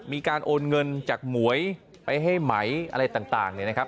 มีการโอนเงินจากหมวยไปให้ไหมอะไรต่างเนี่ยนะครับ